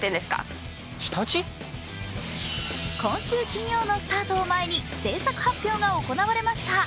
今週金曜のスタートを前に制作発表が行われました。